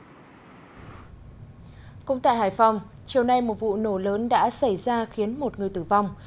cũng tại hải phòng chiều nay một vụ nổ lớn đã xảy ra khiến một người tử vong